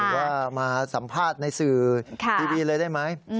ว่ามาสัมภาษณ์ในสื่อทีวีเลยได้ไหม